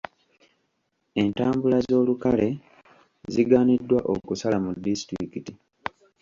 Entambula z’olukale zigaaniddwa okusala mu disitulikiti.